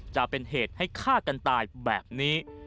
จะเป็นเหตุให้ฆ่ากันตายแบบนี้